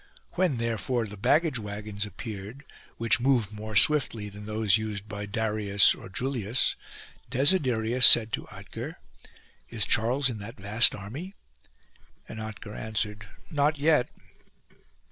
When there fore the baggage waggons appeared, which moved more swiftly than those used by Darius or Julius, Desiderius said to Otker :" Is Charles in that vast army ?" And Otker answered :" Not yet."